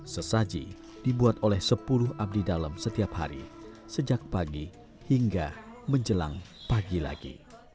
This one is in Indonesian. sesaji dibuat oleh sepuluh abdi dalam setiap hari sejak pagi hingga menjelang pagi lagi